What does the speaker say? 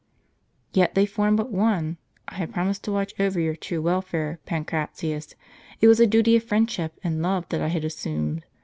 " Yet they form but one. I had promised to watch over your true welfare, Pancratius: it was a duty of friendship and love that I had assumed.